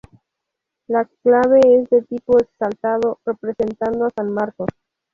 La clave es de tipo exaltado representando a San Marcos.